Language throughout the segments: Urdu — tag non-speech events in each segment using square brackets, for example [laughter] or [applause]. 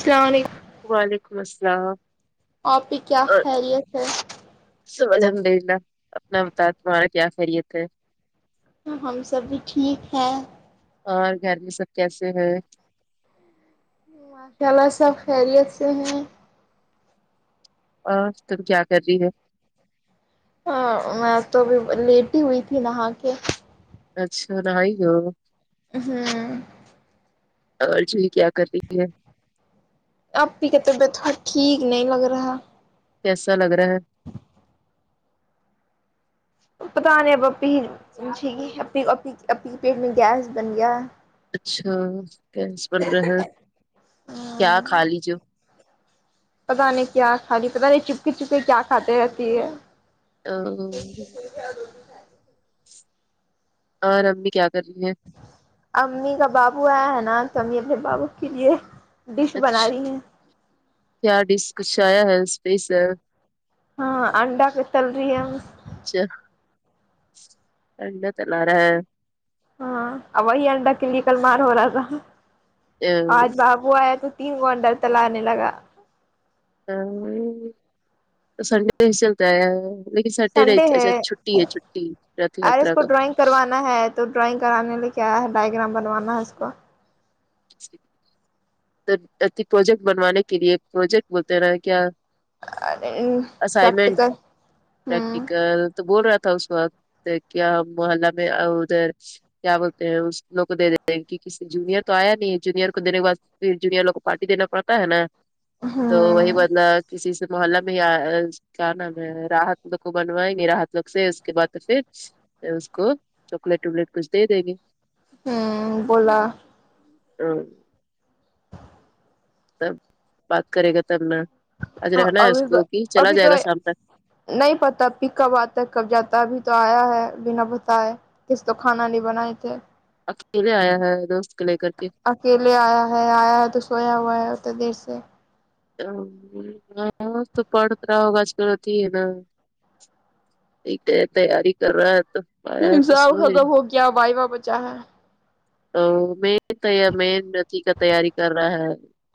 السلام علیکم وعلیکم السلام آپ کی کیا اور خیریت ہے سب الحمد للہ اپنا بتا تمہارا کیا خیریت ہے ہاں ہم سب بھی ٹھیک ہے اور گھر میں سب کیسے ہے ماشاللہ سب خیریت سے ہیں اور تم کیا کر رہی ہے ہاں میں تو ابھی لیٹ ہی ہوئی تھی نہا کے اچھا نہایی ہو ا ہوں اور آج نی کیا کررہی ہے اپپی کا طبیعت اب ٹھیک نہیں لگ رہا کیسا لگ رہا ہے پتا نہیں اب اپپی جی اپی اپپی کے پیٹ میں گیس بن گیا اچھا کیس بن رہے ہیں کیا کھا لی جو پتا نہیں کیا کھالی پتا نہیں چپکے چپکے کیا کھاتے رہتی ہے [unintelligible] اور امی کیا کر رہی ہیں امی کا بابو آیا ہے نا تو امی اپنے بابو کے لیے ڈش بنا اچھا رہی ہیں کیا ڈش کچھ آیا ہے اسپیشل ہاں انڈا بھی تلری ہے امی اچھا انڈا تالا رہ ہے ہاں وہی انڈا کے لیے کل مار ہو رہا تھا آج بابو آیا تو تین وہ انڈا تلانے لگا [unintelligible] لیکن سٹرڈے سنڈے اچھا ہے چھٹی ہے چھٹی رتھ ارے اس یاترا کو کا ڈرائنگ کروانا ہے تو ڈرائنگ کرانے لیکے آیا ہے ڈائگرام بنوانا ہے اس کو اتھنک پروجیکٹ بنوانے کے لیے پروجیکٹ بولتے ہیں نا کیا اسائمٹ پریکٹیکل ہوں پرٹیکل تو بول رہا تھا اس وقت کیا محلہ میں ا ادھر کیا بولتے ہیں اس لوگ کو دے دیتے ہے کہ کسی جونیئر تو آیا نہیں جونیئر کو دینے کے بعد پھر جونیئر لو کو پارٹی دینا پڑتا ہے نا تو وہی ہوں بندہ کسی سے محلہ میں یا آج کیا نام ہے راحت لوگ کو بنوائیں گے راحت لوگ سے اس کے بعد پھر پھر اس کو چاکلیٹ وکلیٹ کچھ دے دے گے ہوں بولا اں تب بات کرے گا تب نا آج رہنا ہے اس ابھی تو کو کہ چلا ابھی جائے تو گا شام تک نہیں پتا پھر کب آتا ہے کب جاتا ہے ابھی تو آیا ہے بنا بتایے اس کو تو کھانا نہیں بنائے تھے اکیلا آیا ہے دوست کو لے کر کے اکیلے آیا ہے آیا ہے تو سویا ہوا ہے اتنا دیر سے ہاں تو پڑھ ات رہا ہوگا آج کل آتی ہے نا ٹیک ہے تیاری کر رہا ہے تو آیا ہے تو جوب سن لے ختم ہو گیا وائیوا بچا ہے ا مین طیب میں برتی کا تیاری کر رہا ہے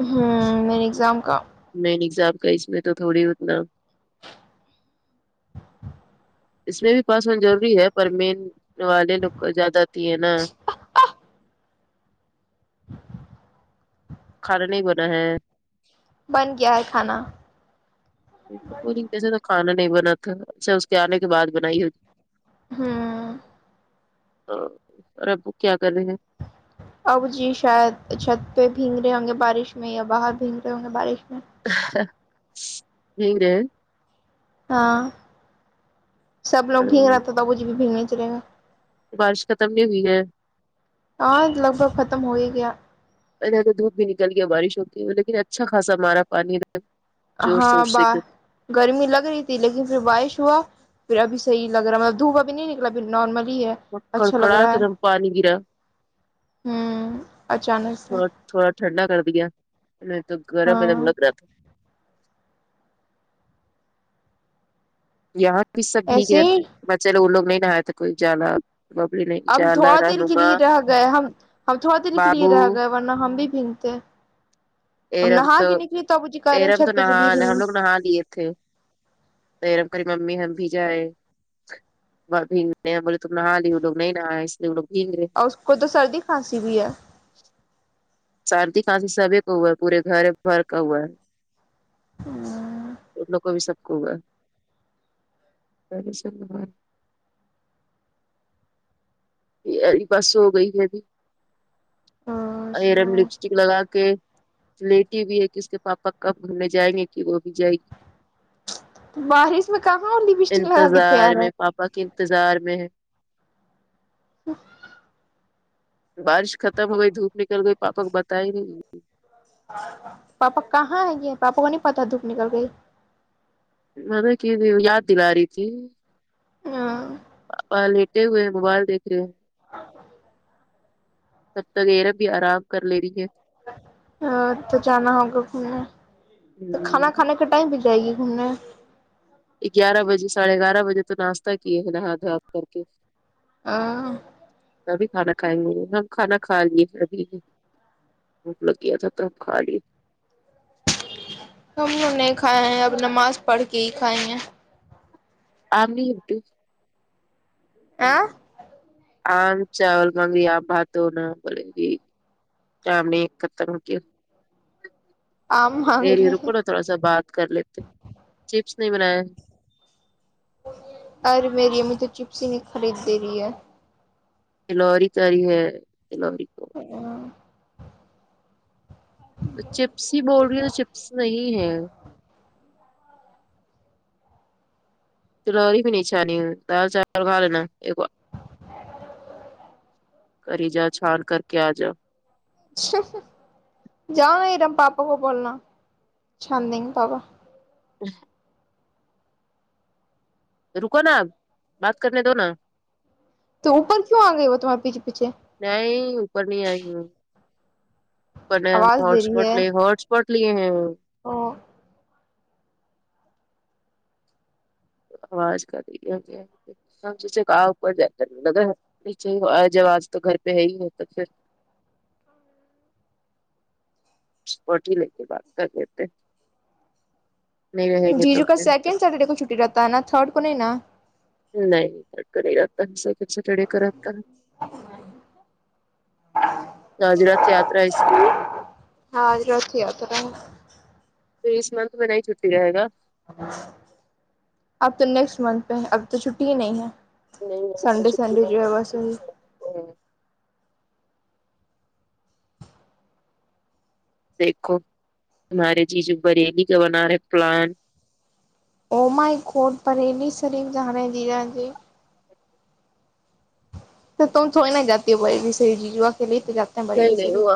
ہوں مین ایگزام کا مین ایگزام کا اس میں تو تھوڑی اتنا اس میں بھی پاس ھو جو نئ ضروری ہے پر مین والے لگ کو زیادہ آتی ہیں نا کھانا نہیں بنا ہے بن گیا ہے کھانا تو پور جیسے تو کھانا نہیں بنا کر اچھا اس کے آنے کے بعد بنائی ہو ہوں ہاں اور ابو کیا کر رہے ہیں ابو جی شاید چھت پہ بھیگ رہے ہوں گے بارش میں یا باہر بھیگ رہے ہوں گے بارش میں ہاں ٹھیک ہے ہاں سب لوگ بھیگ رہا تھا تھا ابو جی بھی بھیگ نے چلے گا بارش ختم نہیں ہوئی ہے ہاں لگ بھگ ختم ہو ہی گیا ادھر تو دھوپ بھی نکل گیا بارش ہوتی لیکن اچھا خاصا مارا پانی ادھر ہاں ب گرمی لگ رہی تھی لیکن پھر بارش ہوا پھر آب صحیح لگ رہا مطلب دھوپ ابھی نہیں نکلا پھر نارملی ہی ہے بہت اچھا لگ کڑکڑا اک رہا ہے دم پانی گیرا ہوں اچانک سے تھڑا تھوڑا ٹھنڈا کر دیا نہیں تو گرم گرم ہاں لگ رہا تھا یہاں بھی سب بھیگ ایسے گیا ہی تھے بچے لوگ وہ لوگ نہیں نہایا تھے کوئی زیادہ ہم تھوڑا دیر کے لیے رہ گئے ہم ہم تھوڑا دیر کے لیے بابو رہ گئے ورنہ ہم بھی بھیگتے ہم ایرم نہا تو کے نکلی ابو جی کہہ رہے ہیں ایرم تو چھت پہ نہا چلیے ہم گھومنے لوگ نہا لیے تھے یرم کری ممی ہم بھیجائے بھیگ ہیں بولے تم نے نہا لی وہ لگ نہیں نہا اس لیے وہ لگ بھیگ رہے اور اس کو تو سردی کھانسی بھی ہے سردی کھانسی سبھی کو ہوا ہے پورے گھر بھر کا ہوا ان لوگ کو بھی سب کو ہوا ہے ایک بار سو گئی پھر ارم اور لپسٹک لگا کے لیٹی بھی ہے کہ اس کے پاپا کب گھر لے جائیں گے کہ وہ بھی جائے گی [inaudible] بارش میں کہاں وو لپسٹک لگا کے تیار ہے باقی انتظار میں ہے [inaudible] بارش ختم ہو گئی دھوپ نکل گئی پاپا کو بتائی نہیں پاپا کہاں ہے گے پاپا کو نہیں پتا دھوپ نکل گئی مدت [unintelligible] ک ہوں یاد دلا رہتی ہاں پاپا اب لیٹے ہوئے ہے موبائل دیکھ رہے تب تک ارم بھی آرام کر لے رہی ہے ہاں تو جانا ہوگا گھومنے تو کھانا ہ کھانے ٹائم پہ جائے گی گھومنے یہ گیارہ بجے ساھے گیارہ بجے تو ناشتہ کی ہے نہ ہات د ہات کر کے ہاں ابھی کھانا کھائیں گے ہم کھانا کھا لیے پھر ابھی بھک لگ گیا تھا تو خالی ہم انہیں کھائے ہیں اب نماز پڑھ کے ہی کھائے گے اپ نہیں ہوتی آ آم چاول مگی [unintelligible] آ بات نہ بول گی شام نے ایک خترم کی آم مانگ دیری رہے رکو ہیں نا تھوڑا سا بات کر لیتے چپس نہیں بنایا ارے میری امی تو چپس ہی نہیں خرید دے رہی ہے تلوری کری ہے تلوری کو ہاں تو چپس ہی بول رہی ہے تو چپس نہیں ہے تو لی بھی نہیں چھانی دال چاول کا لینا ایک کرری جاؤ چھال کر کے آ جاؤ جاؤ ایرم پاپا کو بولنا چندینگے پاپا اچ رکو نا آپ بات کرنے دو نا تو اوپر کیوں آ گئی وہ تمہارے پیچھے پیچھے نہیں اوپر نہیں آئی گی وه پ آواز دے رہی ہوٹسپوٹ ہے لے ہوٹسپوٹ لیے ہے او آواز کری ہے گ ہم سے جو کہاں اوپر ج کر لگر آج آاز تو گھر پہ ہے ہی ہے تو پھر پٹی لے کے بات کر لیتے نہیں رہیں گے جی تو جو کا پھر سیکنڈ سیٹرڈے کو چھٹی رہتا ہے نا تھرڈ کو نہیں نا نہیں اٹکا نہیں رکھتا ہم [unintelligible] سکل سٹر ڈ کاکھتا گاج راتھ یاتا اسس ہاں راتھیاتہ ہے تو اس منتھ میں نہیں چھٹی رہے گا اب تو نیکسٹ منتھ پہ اب تو چھٹی ہی نہیں ہے نہیں نہیں سنڈے چھٹی سنڈے جو ہے ویسے بھی نہیں دیکھو تمارے جیجو بریانی کا بنا رہے پلان او مائی گوٹ پرلی شریف جانے جی جا جی تو تم تھوڑی نا جاتی ہو بریلی شریف جیجوا کو لیے تو جات نہیں نہیں وہ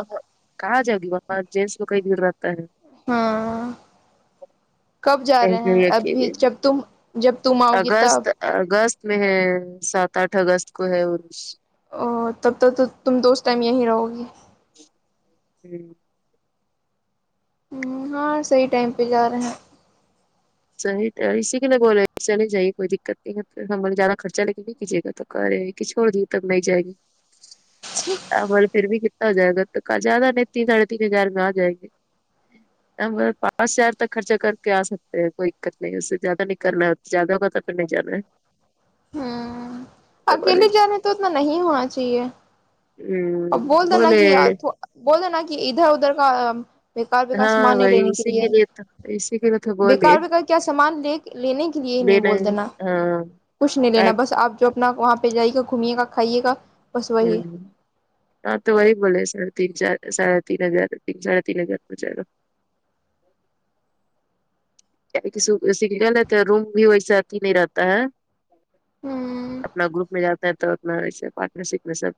کہاں جؤ گی جینٹس میں کئی دور رہ ہاں کب جا کہیں رہے ہیں کہیں ابھی اکیلے جب تم جب تم آؤ گی تب اگست اگست میں ہے سات آٹھ اگست کو ہے کچھ او تب تک تو تم تو اس ٹائم یہیں رہو گی ہوں ہمم ہاں صحیح ٹائم پہ جا رہے ہیں صحیح اسی کے لیے بول رہے چلی نہیں جاہیے کوئی دقت نہیں ہے ہم زیادہ خرچہ لیجئے کے بھی کیجیے گا تو کرے کہ چھوڑ دیے تب نہیں جائے گی ج مل پھر بھی کتنا جائے گا تو زیاد نہیں تین ساڑھے تین ہزار میں آ جائ گے ا پانچ ہزار تک خرچہ کر کے آ سکتے ہیں کوئی دقت نہیں ہے اسے زیادہ نہیں کرنا ہے زیادہ ہوگا تو پھر نہیں جانا ہے ہمم تو بولے اکیلے جانے تو اتنا نہیں ہونا چاہیے ہوں ا تو بول دو نا بولے کہ بول دو نا کہ ادھر ادھر کا بیکار بکار ہاں سامان نہیں لینے وہی کے اسی لیے تو اسی کے لیے تو بولے بیکار بیکار کیا سامان لے لینے کے لیے ہی نہیں لینا بول دینا ہے ہاں کچھ نہیں لینا بس آپ جو اپنا وہاں پہ جائی گا گھومیے گا کھائیے گا بس وہی ہوں ہاں تو وہی بولے ساڑے تین چار ساڑے تین ہزار ت سڑھ تین ہزار کچھ ا یگا سگنل ہے تو روم بھی ویسا اتیھی نہیں رہتا ہے ہوں اپنا گروپ میں جاتا ہے تو اپنا وسے پارٹنر شپ میں سب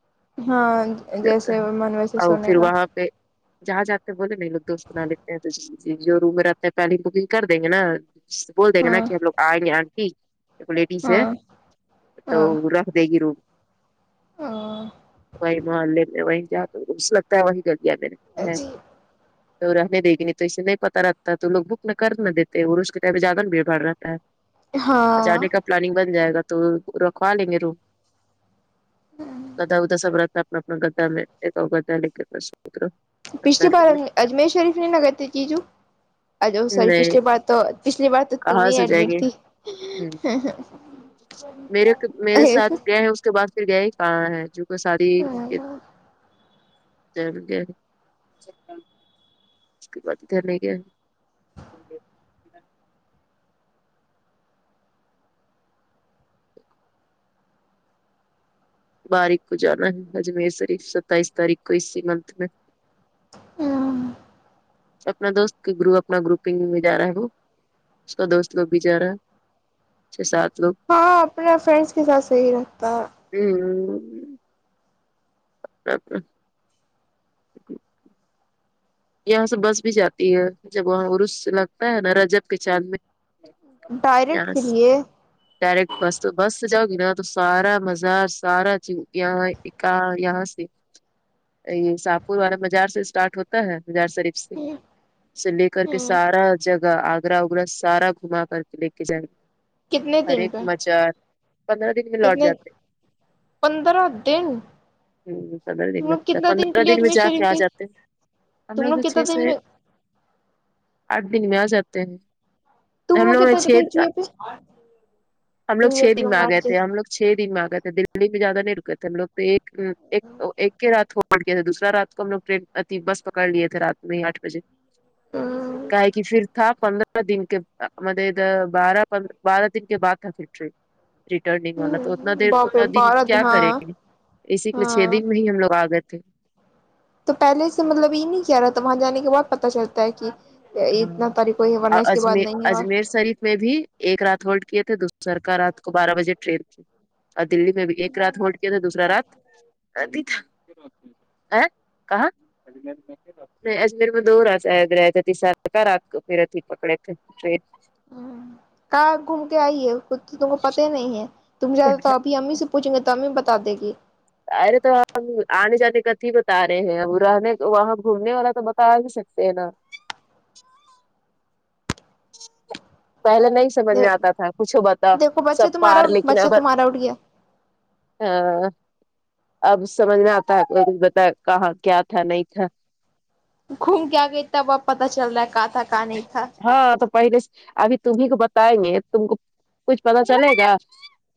ہاں جاتا جیسے ہے من ویسے اور سونے پھر گا وہاں پہ جہاں جاتے ہیں بولے نہیں لوگ دوست کو نہ لیتے ہیں روم میں رہتے ہے پہلی بھی کر دیں گے نا بول دیں گے نا ہاں کہ ہم لوگ آئیں گے آنٹی ایک لیڈیز ہے ہاں تو ہاں رکھ دے گی رو وہی محلے میں وہ جا تو رس لگتا ہے وہی گل گیا میں نے ہے تو رہنے دیگی نہیں تو اسے نہیں پتاہ لگتا تو لوگ بک کر نہ دیتے اور اس کےتا زیادہ بھیڑ بھڑ رہتا ہے اور ہاں جانے کا پلاننگ بن جائے گا تو رکھوا لیں گے روم گدا ادھا سبر تھا اپنا اپنا گدا میں ایک گدا ل کےستر پچھلی بار اجمیر شریف نے نگد ت جی جو ا میں سور نہیں پچھلی بار تو پچھلی بار تو تم کہاں ہی سے جائیں ایڈمٹ گے تھی ہ میرے میرے ساتھ گئے ہیں اس کے بعد پھر گیا ہی کہاں ہے جو کو ساد کہ [unintelligible] مشکل بات ادھر نہیں گیا باریک کو جانا ہے اجمیر شریف ستائیس تاریخ کو اسی منتھ میں ہاں اپنا دوست کے گروپ اپنا گروپنگ میں جا رہا ہے وہ اس کا دوست لوگ بھی جا رہا ہے چھ سات لوگ ہاں اپنا فرینڈس کے ساتھ صحیح رہتا ہے ہمم [unintelligible] یہاں سے بس بھی جاتی ہے جب وہاں عرس سے لگتا ہے نا رجب کے چاند میں ڈائریکٹ کے یس لیے ڈائریکٹ بس بس سے جاؤ گی نا تو سارا مزار سارا چی یہاں یہاں سے یہ ساہپور والا بازار سے اسٹارٹ ہوتا ہے شریف سے سے لے کر کے سارا جگہ آ اا اگگرا سارا گھما کر کے لے کے جائیں گے کتنے ہر دن ایک کا مچار پندرہ دن میں لوٹ کتنے جاتے پندرہ دن ہوں پندرہ دن تم لوگ لگتا ہے کتنا کے پندرہ لیے دن میں اجمیر جا کے شریف آ گئی جاتے ہم تم لوگ کتنا چھ دن سے میں آٹھ دن میں آ جاتے ہیں تم ہم لوگ کتنا چھ دن گئی جوئے پہ ہم لوگ جوئے چھ پہ دن میں آ آٹھ گئے تھے ہم لوگ چھ دن میں آگئے تھے دلی میں زیادہ نہیں رکے تھے ہم لوگ تو ایک ایک ہی رات ہو پٹ تھا دوسر رات کو ہم لگ ٹن اتی بس کر لیے تھے رات میں آٹھ بجے کا دن کہ پھر تھا پندرہ پندرہ دن کے مط بارہ پندر بارہ دن کے بعد تھا پھر ٹرین ریٹرننگ والا تو اتنا دیر باپ اتنا رے دن بارہ کیا ہاں کریں گے اسی کے لیے ہاں چھ دن میں ہی ہم لوگ آ گئے تھ تو پہلے سے مطلب یہ نہیں کیا رہا تھا وہاں جانے کے بعد پتا چلتا ہے کہ ہاں اتنا تاری کوی ورنہ اور اس کی بعد اجمیر نہیں ہے اور اجمیر شریف میں بھی ایک رات ہولڈ کیے تھے دوسر کا رات کو بارہ بجے ٹرین کی اور دلی میں بھی ایک رات ہولڈ کیا تھا دوسرا رات بھی تھا ہیں کہاں نہیں اجمیر میں دو رات رہے تھے شاید تیسرا رات پھر پکڑے تھی ٹرین ہمم کہاں گھوم کے آئیے تو تم کو پتہ ہی نہیں ہے تم جیادہ تو امی سے پوچھو گے تو امی بتا دے گی ارے تو ہم آنے جانے کاتھی بتا رہے ہیں ا رہنے وہاں گھومنے والا تو بتا ہی سکتے ہیں نا پہلا نہیں سمجھ میں آتا تھا کچھو بتاؤ دیکھو بچہ سب تمہارا پار لیکن بچہ اگر تمہارا اٹھ گیا ہاں اب سمجھ میں آتا ہے بتا کہاں کیا تھا نہیں تھا گھوم کیا گئی تھا اب پتا چل رہا ہے کہ تھا کہ نہیں تھا ہاں تو پہلے ابھی تمہیں کو بتائیں گے تم کو کچھ پتا چلے گا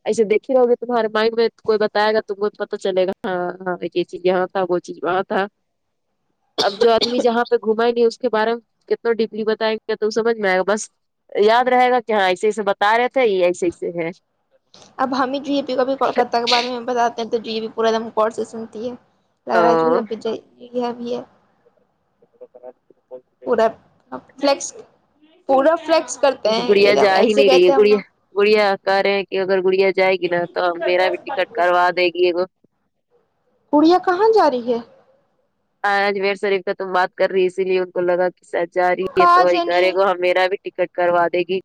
ایسے دیکھے رہو گے تمہارے مائنڈ میں کوئی بتاائے گا تم کو پتا چلےا ہاں ہاں یہ چیز یہاں کو چیز وہاں تھا اب جو آدمی جہاں پہ گھمائیں گے اس کے بارے میں کتنا ڈیپلی بتائیں گے کیا تو سمجھ میں آئے گا بس یاد رہے گا کہ ہاں ایسے ایسے بتا رہے تھے ایسے ایسے ہے اب ہم ہی جی اے پی کا بھی کولکہ کے بارے میں ہم بتاتے ہیں تو جی اے پی پورا دم کور سے سنتی ہے اور اج بھی جو ہے [unintelligible] پ ج بھی ہے پورا فس پورا فلیکس کرتے ہیں گڑیا یہ جا ہی ایسے نہیں رہی ہے کہتے ہیں ہم گڑیا لوگ گڑیا کہ رہے ہیں کہ اگر گڑیا جائے گی نا تو میرا بھی ٹکٹ کروا دے گی گڑیا کہاں جا رہی ہے ہاں اجمیر شریف کا تم بات کر رہی اسی لیے ان کو لگا کہ سچ جا رہی ہے تو کہاں وہی جنے کرے گا ہم میرا بھی ٹکٹ کروا دے گی